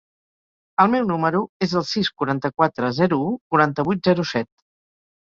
El meu número es el sis, quaranta-quatre, zero, u, quaranta-vuit, zero, set.